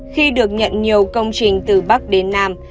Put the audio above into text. khi được nhận nhiều công trình từ bắc đến nam